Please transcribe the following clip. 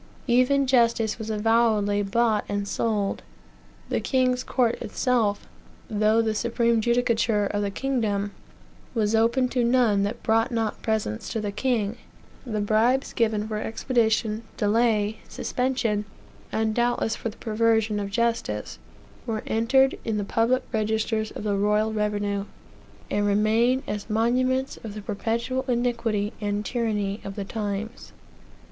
Even justice was avowedly bought and sold; the king's court itself, though the supreme judicature of the kingdom, was open to none that brought not presents to the king; the bribes given for expedition, delay, suspension, and doubtless for the perversion of justice, were entered in the public registers of the royal revenue, and remain as monuments of the perpetual iniquity and tyranny of the times.